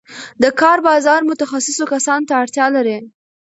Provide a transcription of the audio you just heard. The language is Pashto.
د کار بازار متخصصو کسانو ته اړتیا لري.